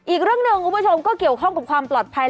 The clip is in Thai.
อีกเรื่องหนึ่งคุณผู้ชมก็เกี่ยวข้องกับความปลอดภัย